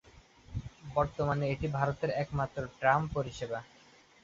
বর্তমানে এটি ভারতের একমাত্র ট্রাম পরিসেবা।